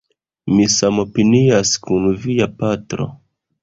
Mi samopinias kun via patro